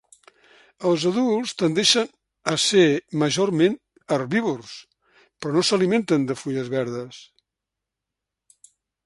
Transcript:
Els adults tendeixen a ser majorment herbívors, però no s'alimenten de fulles verdes.